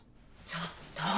ちょっと。